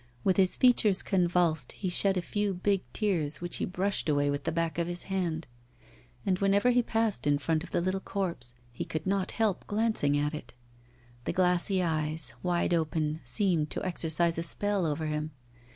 With his features convulsed, he shed a few big tears, which he brushed away with the back of his hand. And whenever he passed in front of the little corpse he could not help glancing at it. The glassy eyes, wide open, seemed to exercise a spell over him.